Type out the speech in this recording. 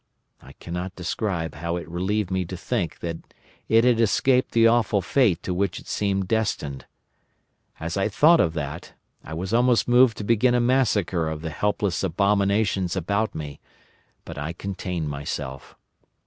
I cannot describe how it relieved me to think that it had escaped the awful fate to which it seemed destined. As I thought of that, I was almost moved to begin a massacre of the helpless abominations about me, but I contained myself.